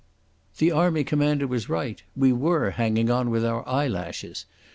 The Army Commander was right; we were hanging on with our eyelashes.